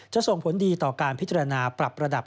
ส่งผลดีต่อการพิจารณาปรับระดับ